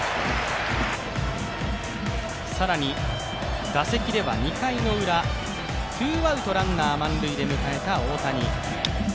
更に、打席では２回のウラ、ツーアウトランナー満塁で迎えた大谷。